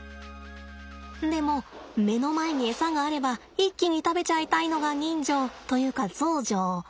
でも目の前にエサがあれば一気に食べちゃいたいのが人情というかゾウ情。